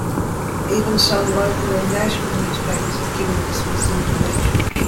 Even some local and national newspapers have given this misinformation.